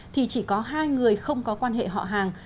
thì chỉ có hai người không có quan hệ họ hàng